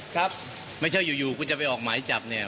ครับไม่ใช่อยู่คุณจะไปออกหมายจับเนี่ย